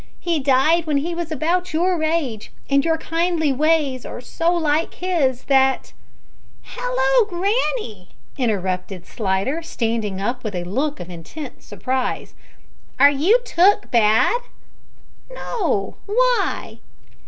He died when he was about your age, and your kindly ways are so like his that " "Hallo, granny!" interrupted Slidder, standing up with a look of intense surprise, "are you took bad?" "No. Why?"